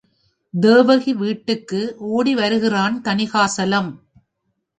தேவகி வீட்டுக்கு ஓடி வருகிறான் தணிகாசலம்.